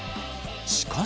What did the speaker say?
しかし。